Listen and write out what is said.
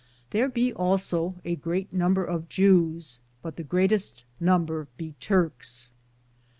There be also a greate number of Jewes, but the greateste nomber be Turkes.